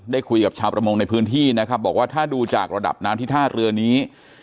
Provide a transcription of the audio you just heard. คุยกับชาวประมงในพื้นที่นะครับบอกว่าถ้าดูจากระดับน้ำที่ท่าเรือนี้